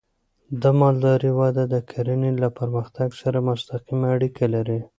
د مالدارۍ وده د کرنې له پرمختګ سره مستقیمه اړیکه لري.